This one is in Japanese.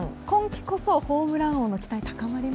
今季こそホームラン王の期待